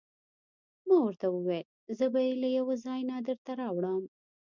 ما ورته وویل: زه به يې له یوه ځای نه درته راوړم.